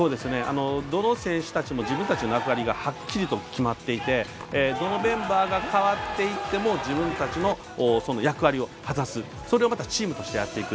どの選手たちも自分たちの役割がはっきりと決まっていてどのメンバーが代わっていっても自分たちの役割を果たすそれをチームとしてやっていく。